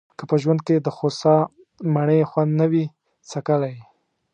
که په ژوند کې دخوسا مڼې خوند نه وي څکلی.